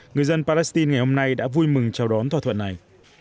người dân palestine ngày hôm nay đã vui mừng chào đón thỏa thuận này